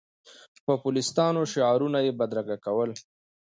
پوپلیستانو شعارونه یې بدرګه کول.